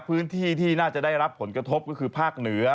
พื้นที่ที่น่าจะได้รับผลกระทบก็คือภาคเหนือ